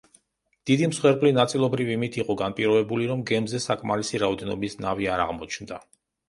დიდი მსხვერპლი ნაწილობრივ იმით იყო განპირობებული, რომ გემზე საკმარისი რაოდენობის ნავი არ აღმოჩნდა.